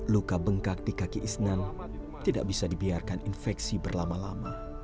luka bengkak di kaki isnan tidak bisa dibiarkan infeksi berlama lama